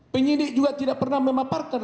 penyidik juga tidak pernah memaparkan